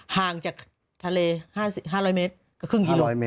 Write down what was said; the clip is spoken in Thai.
ห่างจากทะเล๕๐๐เมตรก็ครึ่งกิโลเมต